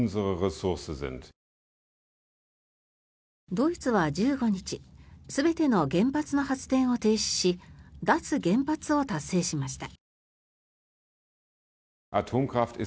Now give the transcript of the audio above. ドイツは１５日全ての原発の発電を停止し脱原発を達成しました。